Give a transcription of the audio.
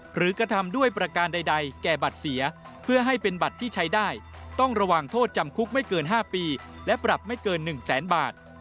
กระทำด้วยประการใดแก่บัตรเสียเพื่อให้เป็นบัตรที่ใช้ได้ต้องระวังโทษจำคุกไม่เกิน๕ปีและปรับไม่เกิน๑แสนบาท